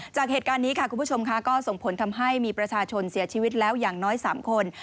จากเหตุการณ์นี้ค่ะคุณผู้ชมค่ะก็ส่งผลทำให้มีประชาชนเสียชีวิตแล้วอย่างน้อย๓คน